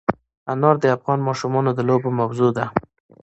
انار د افغان ماشومانو د لوبو موضوع ده.